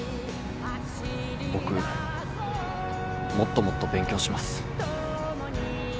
僕もっともっと勉強します。